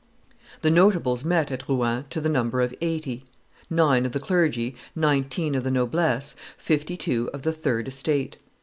] The notables met at Rouen to the number of eighty, nine of the clergy, nineteen of the noblesse, fifty two of the third estate.